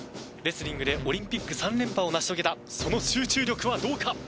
レスリングでオリンピック３連覇を成し遂げたその集中力はどうか！？